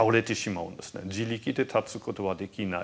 自力で立つことはできない。